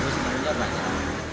terus menunya banyak